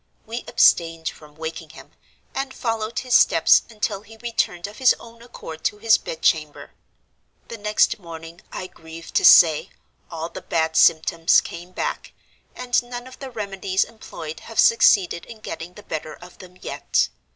We abstained from waking him, and followed his steps until he returned of his own accord to his bed chamber. The next morning, I grieve to say, all the bad symptoms came back; and none of the remedies employed have succeeded in getting the better of them yet.